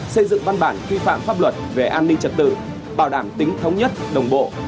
xây dựng văn bản quy phạm pháp luật về an ninh trật tự bảo đảm tính thống nhất đồng bộ